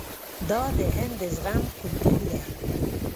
دا د هند د زغم کلتور دی.